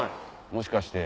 もしかして。